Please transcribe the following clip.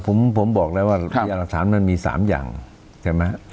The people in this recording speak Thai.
ผมผมบอกแล้วว่าพยานหลักฐานมันมี๓อย่างใช่ไหม